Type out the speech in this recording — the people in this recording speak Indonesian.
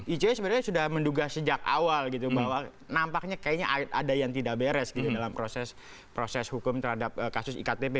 icw sebenarnya sudah menduga sejak awal gitu bahwa nampaknya kayaknya ada yang tidak beres gitu dalam proses hukum terhadap kasus iktp